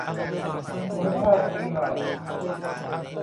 คุณภาพดีหน่อย